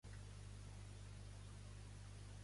Allí els funcionaris són els millors del món.